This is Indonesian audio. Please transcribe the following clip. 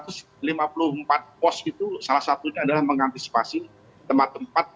arus ini sudah kita siapkan dan dua ratus lima puluh empat pos foto salah satunya adalah mengantisipasi tempat tempat